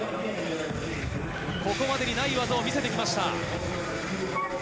ここまでにない技を見せてきました。